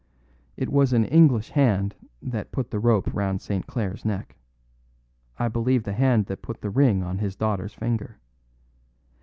"It was an English hand that put the rope round St. Clare's neck; I believe the hand that put the ring on his daughter's finger.